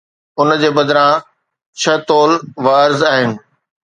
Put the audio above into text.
ان جي بدران، ڇهه طول و عرض آهن